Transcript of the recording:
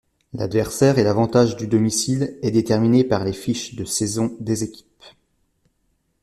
L'adversaire et l'avantage du domicile est déterminé par les fiches de saison des équipes.